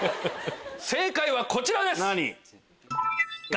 正解はこちらです。